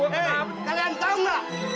hei kalian tahu nggak